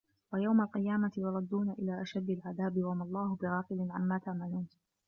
وَيَوْمَ الْقِيَامَةِ يُرَدُّونَ إِلَىٰ أَشَدِّ الْعَذَابِ ۗ وَمَا اللَّهُ بِغَافِلٍ عَمَّا تَعْمَلُونَ